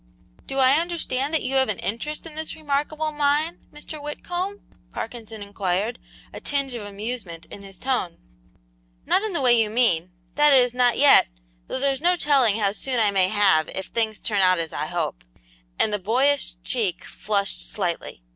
"Do I understand that you have an interest in this remarkable mine, Mr. Whitcomb?" Parkinson inquired, a tinge of amusement in his tone. "Not in the way you mean; that is, not yet, though there's no telling how soon I may have if things turn out as I hope," and the boyish cheek flushed slightly.